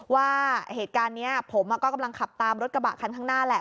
ว่าเหตุการณ์นี้ผมก็กำลังขับตามรถกระบะคันข้างหน้าแหละ